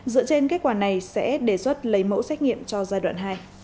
dựa trên kết quả này sẽ đề xuất lấy mẫu xét nghiệm cho giai đoạn hai